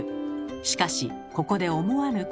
しかしここで思わぬことが！